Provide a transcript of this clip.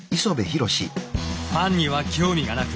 ファンには興味がなく。